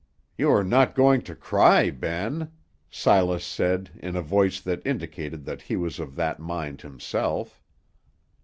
"You are not going to cry, Ben?" Silas said, in a voice that indicated that he was of that mind himself.